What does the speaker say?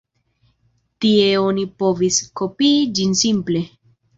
Tie oni povis kopii ĝin simple.